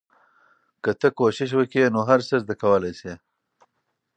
که ته کوشش وکړې نو هر څه زده کولای سې.